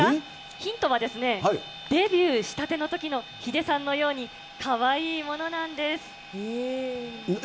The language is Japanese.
ヒントはですね、デビューしたてのときのヒデさんのようにかわいいものなんです。え？